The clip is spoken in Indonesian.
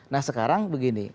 nah sekarang begini